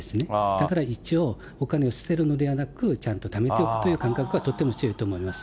だから一応、お金を捨てるのではなくちゃんとためておくという感覚がとても強いと思います。